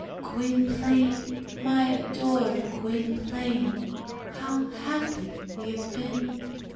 Gwynplaine my adored Gwynplaine how happy we have been!